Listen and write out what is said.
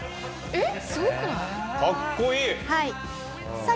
えっ！？